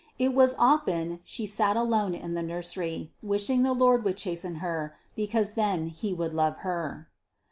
It was often she sat alone in the nursery, wishing the Lord would chasten her because then he would love her.